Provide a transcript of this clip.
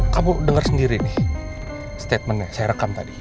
kamu denger sendiri nih statementnya saya rekam tadi